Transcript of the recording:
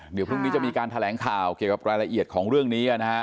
เดี๋ยวพรุ่งนี้จะมีการแถลงข่าวเกี่ยวกับรายละเอียดของเรื่องนี้นะฮะ